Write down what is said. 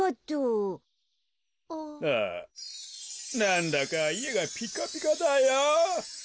なんだかいえがピカピカだよ。